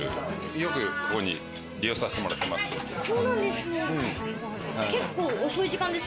よく、ここを利用させてもらってます。